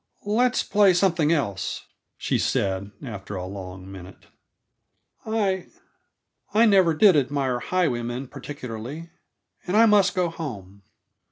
"Let's play something else," she said, after a long minute. "I I never did admire highwaymen particularly, and I must go home."